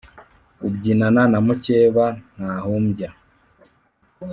Ubyinana na mucyeba ntahumbya.